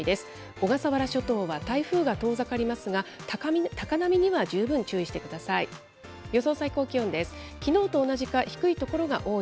小笠原諸島は台風が遠ざかりますが、高波には十分注意してください。